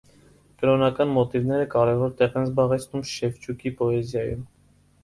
Կրոնական մոտիվները կարևոր տեղ են զբաղեցնում Շևչուկի պոեզիայում։